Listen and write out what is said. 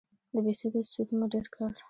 د بهسودو سود مو ډېر کړ